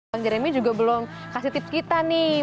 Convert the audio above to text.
bang jeremy juga belum kasih tips kita nih